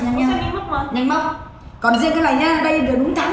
nhanh nhanh nhanh mốc còn riêng cái này nha đây đúng tháng